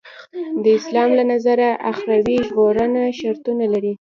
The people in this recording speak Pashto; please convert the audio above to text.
د اسلام له نظره اخروي ژغورنه شرطونه لري.